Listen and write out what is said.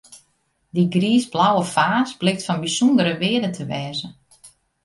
Dy griisblauwe faas blykt fan bysûndere wearde te wêze.